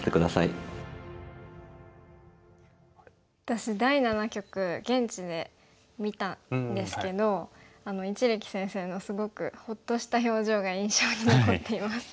私第七局現地で見たんですけど一力先生のすごくほっとした表情が印象に残っています。